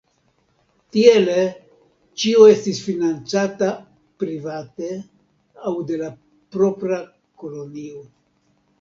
Tiele ĉio estis financata private aŭ de la propra kolonio.